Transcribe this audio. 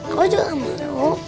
aku juga mau